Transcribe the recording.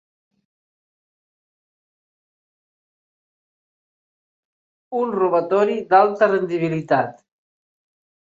Un robatori d'alta rendibilitat.